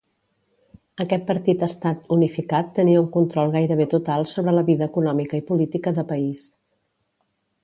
Aquest partit-estat unificat tenia un control gairebé total sobre la vida econòmica i política de país.